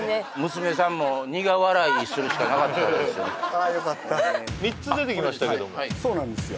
娘さんも苦笑いするしかなかったですああよかった３つ出てきましたけどもそうなんですよ